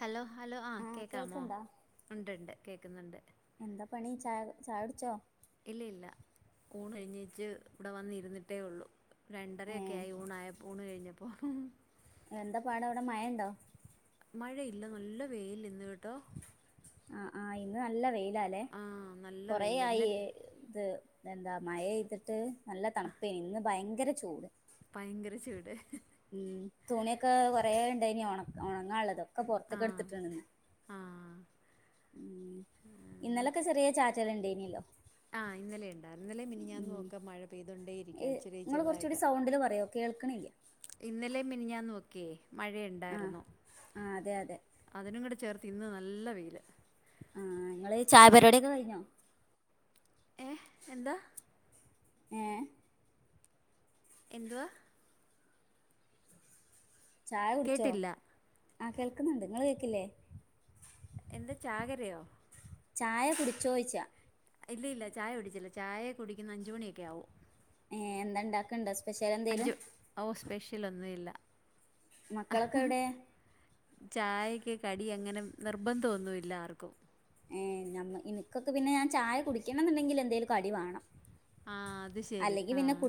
Hello hello ആഹ് കേക്കാമോ ഉണ്ട്ണ്ട് കേക്കുന്നുണ്ട് എന്താ പണി ചായ ചായുടിച്ചോ ഇല്ല ഇല്ല ഊണഴിഞ്ഞേച്ച് ഇവിടെ വന്നിരുന്നിട്ടേ ഒള്ളു രണ്ടരയൊക്കെ ഏഹ് ആയി ഊണായപ്പൊ ഊണ് കഴിഞ്ഞപ്പോ എന്താ പാട് അവടെ മയയുണ്ടോ മഴയില്ല നല്ല വെയിലിന്ന് കേട്ടോ ആഹ് ആഹ് ഇന്ന് നല്ല വെയിലാല്ലേ ആ നല്ല വെയിൽ കൊറേയായി ഇന്നലെ ഇത് എന്താ മഴഏയ്തിട്ട് നല്ല തണുപ്പേന് ഇന്ന് ഭയങ്കര ചൂട് ഭയങ്കര ചൂട് ഉം തുണിയൊക്കെ കൊറേ ഉണ്ടായിനി ഒണക്ക ഒണങ്ങാനുള്ളതൊക്കെ പുറത്തേക്കടുത്തിട്ടുണ്ട് ആഹ് ഇന്നലൊക്കെ ചെറിയ ചാറ്റലിണ്ടേനീലോ ആഹ് ഇന്നലെ ഇണ്ടാരുന്നു ഇന്നലേം മിനിഞ്ഞാന്നുവൊക്കെ മഴ പെയ്തോണ്ടേയിരിക്കാ ഇച്ചിരി ഇങ്ങള് കൊറച്ചൂടി ചെറുതായിട്ട് സൗണ്ടില് പറയോ കേൾക്കണില്ല ഇന്നലേം മിനിഞ്ഞാന്നുവൊക്കെയേ ആഹ് മഴയെണ്ടാരുന്നു ആഹ് അതെ അതെ അതിനും കൂടെ ചേർത്ത് ഇന്ന് നല്ല വെയിലാ ആഹ് ഇങ്ങള് ചായ പരിപാടിയൊക്കെ കയിഞ്ഞോ ഏഹ് എന്താ ഏഹ് എന്തുവാ ചായ കുടിച്ചോ കേട്ടില്ല ആഹ് കേൾക്കുന്നുണ്ട് നിങ്ങള് കേക്കില്ലേ എന്താ ചാകരയോ ചായ കുടിച്ചോയിച്ചയാ ഇല്ല ഇല്ല ചായ കുടിച്ചില്ല ചായ കുടിക്കുന്ന അഞ്ചുമണിയൊക്കെ ആവും ഏഹ് എന്താ ണ്ടാക്കണ്ടോ സ്പെഷ്യൽ എന്തേലും ഓഹ് സ്പെഷ്യലൊന്നു ഇല്ല മക്കളൊക്കെ എവിടെ ചായക്ക് കടി അങ്ങനെ നിർബന്ധം ഒന്നുവില്ല ആർക്കും ഏ ഞമ്മ എനിക്കൊക്കെ പിന്നെ ഞാൻ ചായ കുടിക്കണംന്ന്ണ്ടെങ്കിൽ എന്തേലും കടി വേണം ആഹ് അത് ശരി അല്ലെങ്കി പിന്നെ ആഹ്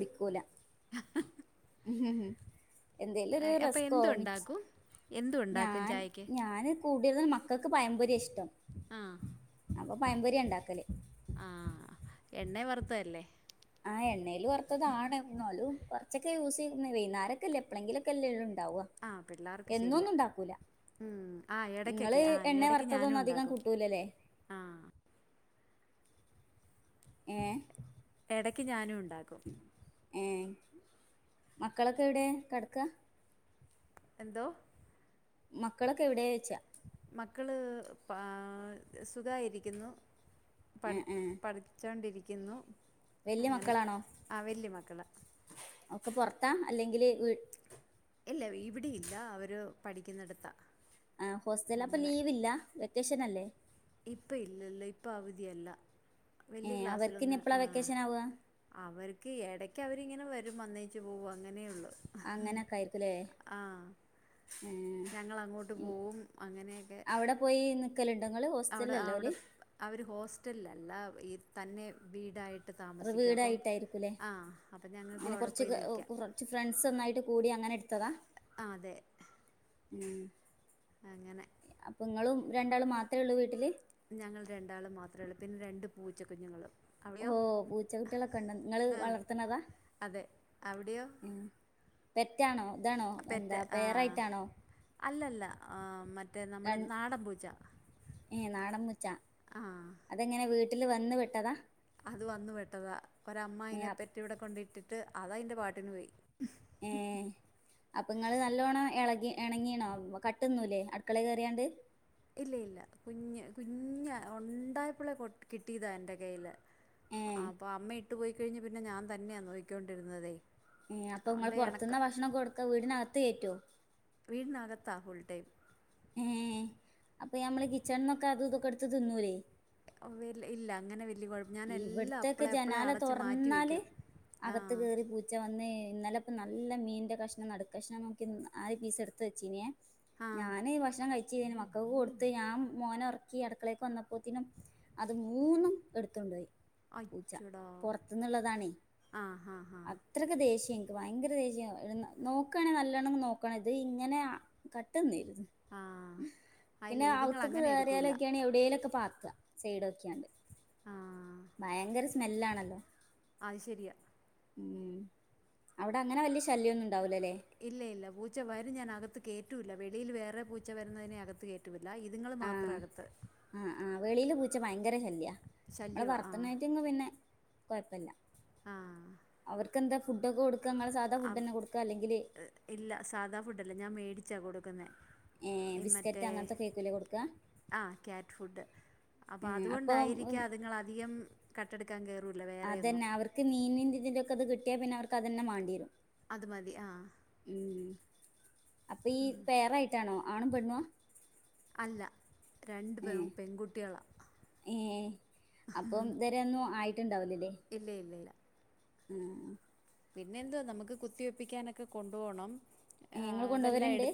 ഹ ഹ എന്തേലൊര് അപ്പോൾ റെസ്കൊ എന്തും മിച്ച് ഉണ്ടാക്കും എന്തും ഉണ്ടാക്കും ഞാൻ ചായക്ക് ഞാന് കൂടിയത് മക്കൾക്ക് പയംമ്പൊര്യ ഇഷ്ടം ആഹ് അപ്പൊ പയമ്പൊര്യ ണ്ടാക്കല് ആഹ് എണ്ണേ വറുത്തല്ലേ ആ എണ്ണൽറത്തതാണ് എന്നാലും കുറച്ചൊക്കെ യൂസ് ചെയ്യുന്ന വൈന്നരക്കല്ല എപ്പളെങ്കിലോക്കെല്ലെ ഉള്ളൂണ്ടാവ ആ പിള്ളേർക്ക് ശരിയാ ഉം ആ ഇങ്ങള് ഇടയ്ക്കൊക്കെ ആ എണ്ണ ഇടയ്ക്ക് ഞാനും വറുത്തതൊന്നും അധികം ഉണ്ടാക്കും കൂട്ടൂലല്ലേ ആഹ് ഏ എടക്ക് ഞാനും ഉണ്ടാക്കും ഏ മക്കളൊക്കെ എവിടെ കെടക്ക എന്തോ മക്കളൊക്കെ എവ്ടെയ്ച്ചാ മക്കള് പാ സുഖയിരിക്കുന്നു ഏ പട് ഏ പഠിച്ചോണ്ടിരിക്കുന്നു വല്യ അങ്ങനെ മക്കളാണോ ആ വല്യ മക്കളാ ഒക്കെ പൊറത്താ അല്ലെങ്കിൽ വി ഇല്ല ഇവിടെ ഇല്ല അവര് പഠിക്കുന്നടത്താ ആഹ് ഹോസ്റ്റല അപ്പൊ ലീവ്‌ല്ല വെക്കേഷനല്ലേ ഇപ്പ ഇല്ലല്ല ഇപ്പൊ അവധിയല്ല ഏ വലിയ അവർക്ക്നി ക്ലാസ്സിലൊന്നും എപ്പള ആ വെക്കേഷനവ അവർക്ക് ഇടയ്ക്ക് അവരിങ്ങനെ വരും വന്നേച്ചു പോകും അങ്ങനെയുള്ളു അങ്ങനൊക്കെ ആയിരിക്കുല്ലേ ഞങ്ങളഅങ്ങോട്ട് പോവും അങ്ങനെയൊക്കെ അവ്ടെ പോയി നിൽക്കലുണ്ടങ്ങൾ അവിടെ ആ അവിടെ അവര് ഹോസ്റ്റലല്ല ഈ തന്നെ വീടായി ർ വിടയിട്ടായിരിക്കുല്ലേ അപ്പം ഞങ്ങൾക്കും അങ്ങനെ അവിടെ കുറച്ച് പോയി നിൽക്കാം [unintelligible] ഫ്രണ്ട്സ് ഒന്നായിട്ട് കൂടി അങ്ങനെ എടു തദ ആഹ് അതെ ഉം അങ്ങനെ അപ്പം ഇങ്ങളും രണ്ടാളും മാത്ര ഉള്ളൂ വീട്ടിൽ ഞങ്ങൾ രണ്ടാള് മാത്ര ഉള്ളൂ പിന്നെ രണ്ട് പൂച്ചക്കുഞ്ഞുങ്ങളും ഓ അവിടെയോ പൂച്ചകുട്ടികളൊക്കെണ്ടൊ ഇങ്ങള് ആ വളർത്തണതാ അതെ അവിടെയോ പെറ്റാണോ ഇതാണോ എന്താ പെറ്റ് ആ പേറായിട്ടാണോ അല്ലല്ല ആ മ റ്റേ നമ്മടെ രൺ നാടൻപൂച്ച ഏ നാടൻ പൂച്ച ആഹ് അതെങ്ങനെ വീട്ടിൽ വന്ന് പെട്ടതാ അത് വന്നു പെട്ടതാ ഒര അമ്മ ഏ അയിനെ അപ് പെറ്റ് ഇവിടെ കൊണ്ട ഇട്ടിട്ട് അതാ അയിന്റെ പാട്ടിന് പോയി ഏ അപ്പൊ ഇങ്ങള് നല്ലോണം എളകി എണങ്ങീണോ കട്ട്ന്നൂലെ അടുക്കള കയറിയാണ്ട് ഇല്ല ഇല്ല കുഞ്ഞ് കുഞ്ഞഞ് ഉണ്ടായപ്പോളെ കൊ കിട്ടിയതാ എന്റെ കയ്യില് ഏ ആഹ് അപ്പൊ അമ്മ ഇട്ടു പോയിക്കഴിഞ്ഞ് പിന്നെ ഞാൻ തന്നെയാ നോയിക്കോണ്ടിരുന്നതെ ഏഹ് അപ്പൊ നിങ്ങൾ പുറത്തുന്ന് ഭക്ഷണം കൊടുക്ക വീടിനകത്ത് കയറ്റുവോ വീട്ടിനകത്താഫുൾടൈം ഏഹ് അപ്പൊ മ്മളെ കിച്ചണ്ന്നൊക്കെ അത്തൊക്കെടുത്ത് തിന്നൂല്ലേ ഇല്ല അങ്ങനെ വലിയ കുഴപ്പ ഞാനെല്ലാം ഇവിടത്തൊക്കെ അപ്പളെ അപ്പളെ ജനാല അടച്ച് മാറ്റിവയ്ക്കും ആഹ് ചച്ച വന്ന് ഇന്നലെ ഇപ്പ നല്ല മീന്റെ കഷ്ണം നടുഷ്ണം നമുക്ക് ആര് പീസ് എടുത്ത വെച്ചീനേ ആ ഞാന് ഈ ഭക്ഷണം കഴിച്ച മക്കൾ കൊടുത്ത് ഞാൻ മോന ഉറക്കി അടക്കളേക്ക് വന്നപ്പോത്തിനും അത് മൂന്നും എടു പൂച്ച അച്ചോടാ പുറത്തുന്നുള്ളതാണേ ആ ഹാ ഹാ ഇത്രൊക്കെ ദേഷ്യം എനിക്ക് ഭയങ്കര ദേഷ്യയ നോക്കുയാണെങ്ക നല്ലണ്ണം നോക്കണ ഇത് ഇങ്ങനെ കട്ടന്നരുന്നു ആ ആ ഇല്ല പിന്നെ ഇതുങ്ങൾ ഔത്ത്ക്ക് അങ്ങനെ എടുക്കില്ല കേറിയാലൊക്കെയാണ് എവിടേലൊക്കെ പാത്തുക ചെയ്ഡൊക്കെയുണ്ട് ആഹ് ഭയങ്കര സ്മെല്ലാണല്ലോ അത് ശരിയാ ഉം അവിടെ അങ്ങനെ വലിയ ശല്യംമൊന്നും ഉണ്ടാവൂലലേ ഇല്ല ഇല്ല പൂച്ച വരും, ഞാൻ അകത്ത് കയറ്റൂല്ല വെളിയിൽ വേറെ പൂച്ച വരുന്നതിനെ അകത്ത് കയറ്റും പറ്റില്ല ഇതുങ്ങൾ മാത്രം ആഹ് അകത്ത് ആഹ് ആഹ് വെളിയിൽ പൂച്ച ഭയങ്കര ശല്യാ നമ്മള് ശല്യമാണ് ആ വളർത്തുന്നേയിട്ട്ങ്ള് പിന്നെ കുഴപ്പമില്ല ആഹ് അവർക്ക് എന്താ ഫുഡൊക്കെ കൊടുക്ക നിങ്ങള്, സാധാ ഫുഡ് അവ- തന്നെ കൊടുക്കുക അല്ലെങ്കില് ഇല്ല സാധാ ഫുഡ് അല്ല ഞാൻ മേടിച്ചാണ് കൊടുക്കുന്നത്. ഏഹ് ബിസ്ക്കറ്റ് അങ്ങനത്തെ കേക്കല്ല കൊടുക്കുക. ആഹ് കേക്ക് ഫുഡ്, അപ്പൊ അതുകൊണ്ടായിരിക്കാം അതുങ്ങള് അധികം കട്ടെടുക്കാൻ കയറില്ല, വേറെയൊന്നും അതന്നെ അവർക്ക് മീനീന്റെ ഇതൊക്കെ അത് കിട്ടിയാൽ പിന്നെ അവർക്കു അതന്നെ വേണ്ടി വരും. അത് മതി ആഹ് ഉം അപ്പൊ ഈ പേറായിട്ടാണോ ആണും പെണ്ണും ആഹ് അല്ല രണ്ട് പേരും പെൺകുട്ടികളാണ് ഏഹ് അപ്പം ഇതുവരെ ഒന്നും ആയിട്ടുണ്ടാവില്ലല്ലേ ഇല്ല ഇല്ല ഇല്ല ഉം ഉം പിന്നെ എന്തോ നമുക്ക് കുത്തിവെപ്പിക്കാനൊക്കെ കൊണ്ടുപോകണം. നിങ്ങൾ കൊണ്ടുപോവരണ്ട്.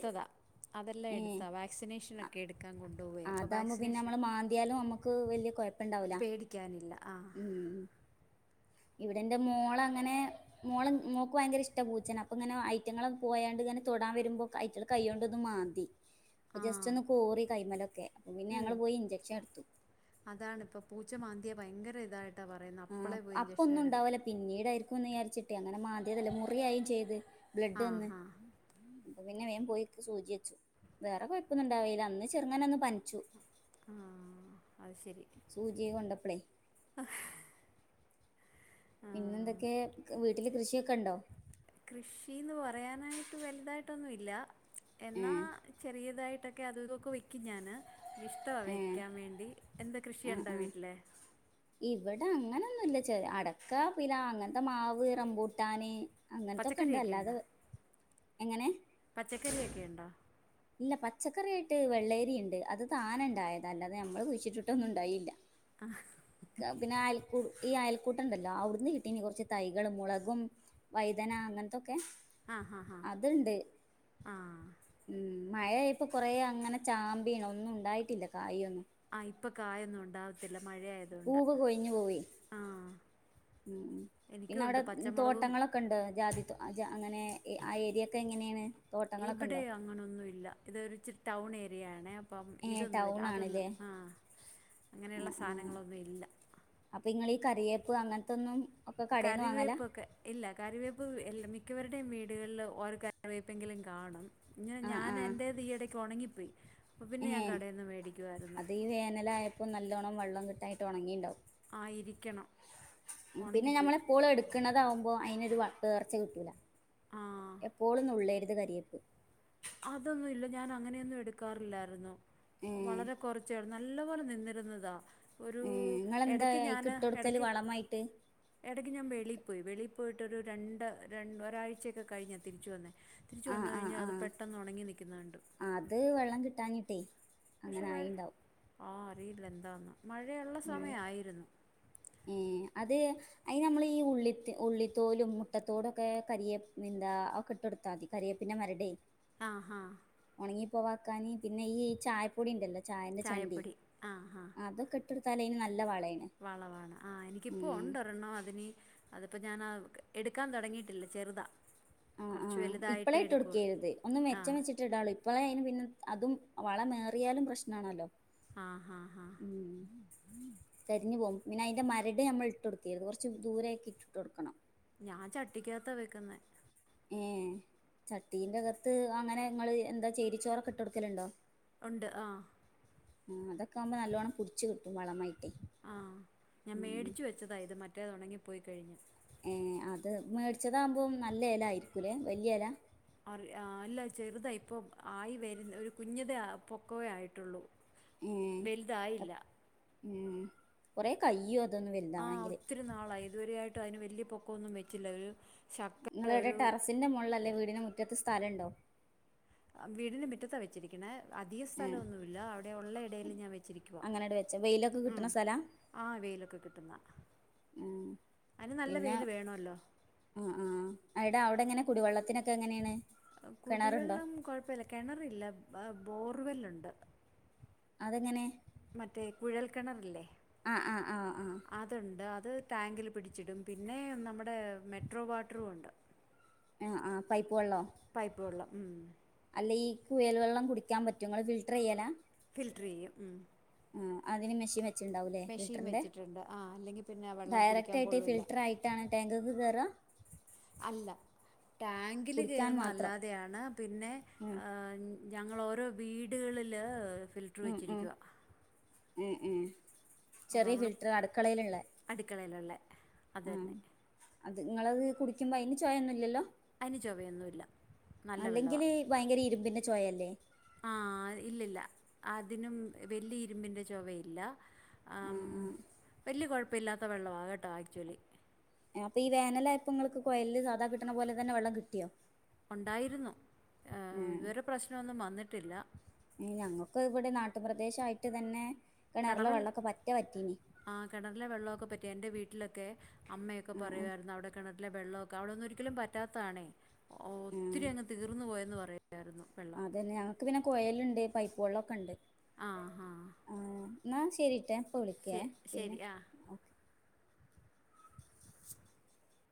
അതെല്ലാം ഏഹ് എടുത്താ വാക്സിനേഷനൊക്കെ എടുക്കാൻ കൊണ്ടുപോയി അപ്പോൾ അതാകുമ്പോ പിന്നെ വാക്സിനേഷൻ നമ്മളെ മാന്തിയാലും നമ്മുക്ക് വലിയ കുഴപ്പ മുണ്ടാവുല്ല പേടിക്കാനില്ല ആ ഇവിടെ എന്റെ മോളങ്ങനെ മോള്, മോൾക്ക് ഭയങ്കര ഇഷ്ട പൂച്ചേന അപ്പൊ ഇങ്ങനെ ഐറ്റ്ങ്ങൾ പോയാണ്ട് ഇങ്ങനെ തൊടാൻ വരുമ്പോൾ ഐറ്റ്ങ്ങൾ കൈയും കൊണ്ട് ഒന്ന് മാന്തി. ആ ജസ്റ്റ് ഒന്ന് പോറി കൈ്മലൊക്കെ അപ്പൊ പിന്നെ ഞങ്ങൾ പോയി ഇഞ്ചെക്ഷൻ എടുത്തു. അതാണ് ഇപ്പം, പൂച്ച മാന്തിയ ഭയങ്കര ഇതായിട്ടാ പറയുന്നത് അപ്പളെ പോയി ഇഞ്ചക്ഷൻ എടുക്കാൻ പിന്നീടായിരിക്കും എന്ന് വിചാരിച്ചിട്ടെ, അങ്ങനെ മാന്തിയതല്ലേ മുറിയായും ചെയ്ത് ബ്ലഡ് ആ വന്ന് ഹാ അപ്പൊ പിന്നെ വേഗം പോയി സൂചി വെച്ചു വേറെ കുഴപ്പമൊന്നും ഉണ്ടായില്ല അന്ന് ചെറുങ്ങനെ ഒന്ന് പനിച്ചു. ആഹ് അത് ശരി സൂചിയെ കണ്ടപ്പളേ ഹ് ഹ് പിന്നെന്തൊക്കെ, വീട്ടില് കൃഷിയൊക്കെണ്ടോ? കൃഷീന്ന് പറയാനായിട്ട് വലുതായിട്ടൊന്നുംല്ല എന്നാ ഏഹ് ചെറിയതായിട്ടൊക്കെ അതും ഇതൊക്കെ വെക്കും ഞാന്. ഇഷ്ടവാ ഏഹ് വെക്കാൻ വേണ്ടി എന്താ കൃഷിയുണ്ടോ വീട്ടില്? ഇവടെ അങ്ങനൊന്നുല്ല. ചെല, അടക്കാ, പിലാവ് അങ്ങനത്തെ മാവ്, റംബൂട്ടാന് അങ്ങനത്തൊക്കെണ്ട്, പച്ചക്കറിയൊക്കെ അല്ലാതെ എങ്ങനെ? പച്ചക്കറിയൊക്കെയുണ്ടോ? ഇല്ല പച്ചക്കറിയായിട്ട് വെള്ളേരിണ്ട് അത് താനെണ്ടായതാ, അല്ലാതെ ഞമ്മള് കുഴിച്ചിട്ടിട്ടൊന്നുണ്ടായില്ല. ആഹ് പിന്നെ അയൽക്കൂ, ഈ അയൽക്കൂട്ടണ്ടല്ലോ അവിടുന്ന് കിട്ടീനി കൊറച്ച് തൈകള് മുളകും വഴുതന, അങ്ങനത്തൊക്കെ ആഹ് ഹാ ഹാ അത്ണ്ട് ആഹ് ഉം മഴയായപ്പോ കൊറേ അങ്ങനെ ചാമ്പീണ് ഒന്നുംണ്ടായിട്ടില്ല കായിയൊന്നും ആ ഇപ്പൊ കായൊന്നും ഉണ്ടാവത്തില്ല മഴ ആയതുകൊണ്ട്. പൂവ് കൊഴിഞ്ഞു പോവേ ആഹ് ഉം പിന്നവിടെ തോട്ടങ്ങളൊക്കെ ണ്ടോ? ജാതി തോ അങ്ങനെ ആ ഏരിയൊക്കെ എങ്ങനെയാണ്? തോട്ടങ്ങളൊക്കെ ഇവിടെ ഉണ്ടോ അങ്ങനൊന്നുവില്ല ഇതൊരുച്ചിരി ടൗണേരിയ ആണേ അപ്പം ഏ ഇതൊന്നുവില്ല ടൗൺ ആണല്ലേ അതൊന്നും ആ അങ്ങനെയുള്ള സാധനങ്ങളൊന്നുവില്ല അപ്പൊ ഇങ്ങളീ കറിവേപ്പ് അങ്ങനത്തൊന്നും കടയിൽന്ന് വാങ്ങല കറിവേപ്പൊക്കെ ഇല്ല കറിവേപ്പ് എല്ല മിക്കവരുടെയും വീടുകളില് ഓരോ കറിവേപ്പെങ്കിലും കാണും ങ്ങനെ ആ ഞാനെന്റേത് ഈയെടക്ക് ഒണങ്ങിപ്പോയി ഏഹ് അത് ഈ വേനലായപ്പോ നല്ലോണം വെള്ളം കിട്ടായിട്ട് ഒണങ്ങിണ്ടാവും ആയിരിക്കണം പിന്നെ നമ്മളെപ്പോളും എട്ക്ക്ണ്താവുമ്പോ അയിനൊരു പേർച്ച കിട്ടൂല ആ എപ്പോളും നുള്ളരുത് കരിയേപ്പ് അതൊന്നും ഇല്ല ഞാനങ്ങനെയൊന്നും എടുക്കാറില്ലായിരുന്നു ഏ വളരെ കൊറച്ചായി നല്ല പോലെ നിന്നിരുന്നതാ ഒരു ഏ നിങ്ങളെന്താ എടക്ക് അയിക്ക് ഞാന് ഇട്ട് കൊടുക്കല് എടക്ക് വളമായിട്ട് എടയ്ക്ക് ഞാൻ വെളിപ്പോയി വെളി പോയിട്ടൊരു രണ്ട് രണ്ട് ഒരാഴ്ചയൊക്കെ കഴിഞ്ഞാ തിരിച്ചു വന്നെ തിരിച്ചു ആ വന്നു ആ കഴിഞ്ഞാ ആ അത് പെട്ടെന്ന് ഉണങ്ങി നിക്കുന്നെ കണ്ടു അത് വെള്ളം കിട്ടാഞിട്ടേ പക്ഷെ വെ ആ അറിയില്ല എന്താന്ന് മഴയുള്ള സമയായിരുന്നു ഏഹ് അത് അയിനമ്മളീ ഈ ഉള്ളി ഉള്ളിത്തോലും, മുട്ടത്തോടൊക്കെ, കരിയേ അഹൊക്കെ ഇട്ടൊടു ത്താതി കരിയേപ്പിന്റെ മരടേ ആഹ് ഹാ ഉണങ്ങി പോവാക്കാന് പിന്നെ ഈ ചായപ്പൊടിണ്ടല്ലോ? ചായന്റെ ചണ്ടി ചായപ്പൊടി ആ ഹാ അതൊക്കെ ഇട്ട ട്ടുത്താലയിന് നല്ല വളേണ് വളവാണ് ആ എനിക്കിപ്പോ ഒണ്ടൊരെണ്ണം അതിന് അതി പ്പൊ ഞാനാ എടുക്കാൻ തൊടങ്ങിയിട്ടില്ല ചെറുതാ ആഹ് കൊറച്ച് ആഹ് വലുതായിട്ടേ ഇപ്പളെയിട്ട് എടുക്കുള്ളൂ കൊടുക്കരുത് ഒന്ന് ആ മെച്ചം വെച്ചിട്ട ടാള്ളു ഇപ്പളെ അയിന് പിന്നെ അതും വളമേറിയാലും പ്രശ്നാണല്ലോ? ആഹ് ഹാ ഹാ ഉം തരിഞ്ഞു പോകും പിന്നെ അതിൻന്റെ മരട് നഞമ്മൾ ഇട്ട് കൊടുക്കരുത് കുറച്ച് ദൂരൊക്കെ ഇട്ടിട്ട് കൊടുക്കണം ഞാൻ ചട്ടിക്കാത്താ വെക്കുന്ന ഏ ചട്ടീന്റെ അകത്ത് അങ്ങനെ നിങ്ങള് എന്താ ചരിച്ചോറൊക്കെ ഇട്ട് കൊടുക്കലുണ്ടോ ഉണ്ട് ആഹ് ആഹ് അതൊക്കെ ആമ്പോ നല്ലവണ്ണം പിടിച്ച് കിട്ടും വളമായിട്ട് ആഹ് ഞാൻ മേടിച്ച് വെച്ചതാണ് ഇത് മറ്റേത് ഒണങ്ങിപ്പോയി കഴിഞ്ഞ് അത് മേടിച്ചതാകുമ്പോം നല്ല ഇല ആയിരിക്കല്ലേ വലിയ ഇല അറി അല്ല ചെറുതാ ഇപ്പൾ ആയി വരുന്ന ഒരു കുഞ്ഞതെ പൊക്കവേ ആയിട്ടുള്ളൂ ഏഹ് വലുതായില്ല ഉം കൊറെ കയ്യോ അതൊന്നും വലുതാവണെങ്കില് നള ഇതുവരെയായിട്ട് അതിന് വലിയ പൊക്കം ഒന്നും വെച്ചില്ല ഒരു ശക്കയുടെ നിങ്ങളവിടെ ഒരു ടെറസിൻ്റെ മുകളിൽല്ലേ വീടിന് മുറ്റത്ത് സ്ഥലംഉണ്ടോ വീടിന് മുറ്റത്ത വെച്ചിരിക്കണ അധിക ഏഹ് സ്ഥലംഒന്നുമില്ല അവിടെ ഉള്ള ഇടയിൽ ഞാൻ വെച്ചിരിക്കുവ അങ്ങനെട് വെച്ച വെയിലൊക്കെ ഉം കിട്ടണ സ്ഥലാ ആ വെയിലൊക്കെ കിട്ടുന്ന ഉം അതിന് നല്ല വെയിൽ വേണമല്ലോ ആ ആഹ് അയിട അവിടെ എങ്ങനെ കുടിവെള്ളത്തിനൊക്കെ എങ്ങനെയാണ് കിണറുണ്ടോ കുടിവെള്ളം കുഴപ്പമില്ല കിണറില്ല ബോർവെല്ലുണ്ട് അതെങ്ങനെ മറ്റേ കുഴൽ കിണറില്ലേ ആഹ് ആഹ്ആ ഹ്ആഹ് അതുണ്ട് അത് ടാങ്കിൽ പിടിച്ചിടും പിന്നെ നമ്മുടെ മെട്രോ വാട്ടറും ഉണ്ട് ആഹ് ആഹ് പൈപ്പ് വെള്ളോ പൈപ്പ് വെള്ളം ഉം അല്ല ഈ കുയൽ വെള്ളം കുടിക്കാൻ പറ്റങ്ങള് ഫിൽട്ടർ ചെയ്യലാ ഫിൽറ്റർ ചെയ്യും ഉ ആഹ് അതിന് മെഷീൻ വെച്ചുണ്ടാവൂല്ലേ മെഷീൻ ഫിൽട്ടറിന്റെ വെച്ചിട്ടുണ്ട് ആ അല്ലെങ്കിൽ പിന്നെ ആ വെള്ളം ഡയറക്റ്റ് കുടിക്കാൻ ആയിട്ട് കൊള്ളൂല്ല ഫിൽറ്റർ ആയി കേട്ടാണ് ടാങ്കക്ക് കേറ അല്ല ടാങ്കിൽ കുടിക്കാൻ കേറുന്ന മാത്രം അല്ലാതെയാണ് പിന്നെ ഉം ഞങ്ങളോരോ വീടുകളില് ഫിൽ മ മ മ ചെറിയ ഫിൽറ്റർ അടുക്കളയില ഉള്ള അടുക്കളയിലള്ളേ അത് നിങ്ങളത് കുടിക്കുമ്പോ അതിന് ചോയൊന്നുമില്ലല്ലോ അയിന് ചൊവയൊന്നു ഇല്ല നല്ല വെള്ളവ അല്ലെങ്കില് ഭയങ്കര ഇരുമ്പിന്റെ ചോയ അല്ലേ ആഹ് ഇല്ലില്ല അതിനും വലിയ ഇരുമ്പിൻ്ന്റെ ചവയില്ല ആ ആം ആ വലിയ കുഴപ്പമില്ലാത്ത വെള്ള വകേട്ടോ ആക്ച്വലി അപ്പൊ ഈ വേനലായ പ്പൊങ്ങൾക്ക് കൊയലിൽ സാധാ കിട്ടണ പോലെന്നെ വെള്ളം കിട്ടിയോ ഉണ്ടായിരുന്നു ഉം ഇതുവരെ പ്രശ്നമൊന്നും വന്നിട്ടില്ല ഞങ്ങൾക്ക് ഇവിടെ നാട്ടുപ്രദേശ ആയിട്ട് തന്നെ കിണറിലെ വെള്ളമൊക്കെ പറ്റാ പറ്റീന ആഹ് കിണറിലെ വെള്ളമൊക്കെ പറ്റി എന്റെ വീട്ടിലൊക്കെ അമ്മയൊക്കെ ആ ആ പറയുമായിരുന്നു അവിടെ കിണട്ടിലെ വെള്ളമൊക്കെ അവിടൊന്നും ഒരിക്കലും പറ്റാത്തതണേ ഉം ഒത്തിരി അങ്ങ് തീർന്നു പോയെന്ന് പറയായിരുന്നു വെള്ളം നക്ക് പിന്നെ കോയലുണ്ട് പൈപ്പ് വെള്ളം ഒക്കെ ഉണ്ട് ആഹഹ ആഹ് ന്നാ ശരിട്ട ഞാൻഇപ്പ വിളിക്ക ശെ ശരി ആഹ്.